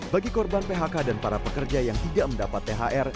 bagi korban phk dan para pekerja yang tidak mendapat thr